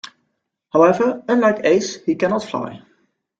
However unlike Ace, he cannot fly.